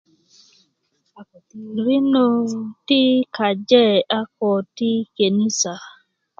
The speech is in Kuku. rinö ti kaje a ko ti kenisa